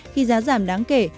khi giá giảm đáng kể